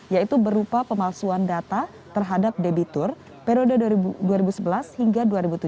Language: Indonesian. yaitu berupa pemalsuan data terhadap debitur periode dua ribu sebelas hingga dua ribu tujuh belas